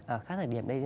à khác thời điểm đây